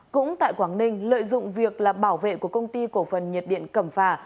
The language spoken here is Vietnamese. cũng tại quảng ninh lợi dụng việc làm bảo vệ của công ty cổ phần nhiệt điện cẩm phà